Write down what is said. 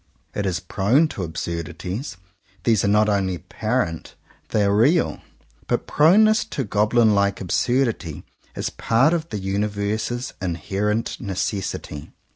It is prone to absurdities: these are not only apparent — they are real. But proneness to goblin like absurdity is part of the uni verse's inherent necessity.